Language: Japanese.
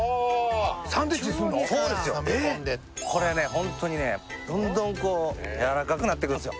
ホントにねどんどんこうやわらかくなってくるんすよ